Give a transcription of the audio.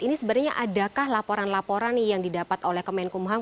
ini sebenarnya adakah laporan laporan yang didapat oleh kemenkumham